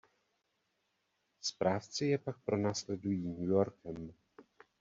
Správci je pak pronásledují New Yorkem.